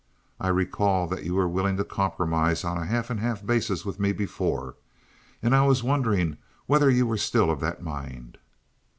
I recall that you were willing to compromise on a half and half basis with me before, and I was wondering whether you were still of that mind."